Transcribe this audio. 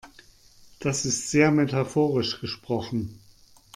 Das ist sehr metaphorisch gesprochen.